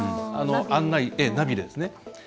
案内、ナビですね。